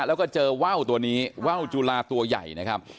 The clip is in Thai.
แล้วก็เจอว่าวตัวนี้ว่าวจุลาตัวใหญ่นะครับ